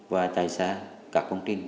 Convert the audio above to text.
và trải xa các công trình